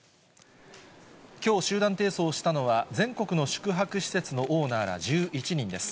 きょう集団提訴をしたのは、全国の宿泊施設のオーナーら１１人です。